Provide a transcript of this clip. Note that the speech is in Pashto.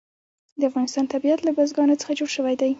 د افغانستان طبیعت له بزګانو څخه جوړ شوی دی.